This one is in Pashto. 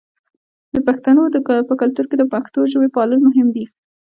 د پښتنو په کلتور کې د پښتو ژبې پالل مهم دي.